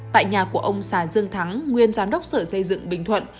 tại nhà của ông xà dương thắng nguyên giám đốc sở xây dựng bình thuận